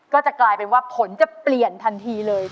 ก็จะกลายเป็นว่าผลจะเปลี่ยนทันทีเลย